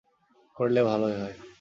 করলে ভালোই হয়।